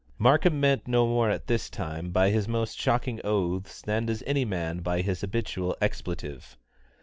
Markham meant no more at this time by his most shocking oaths than does any man by his habitual expletive.